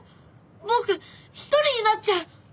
僕一人になっちゃう！